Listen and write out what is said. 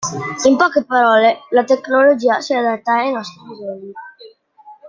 In poche parole, la tecnologia si adatta ai nostri bisogni.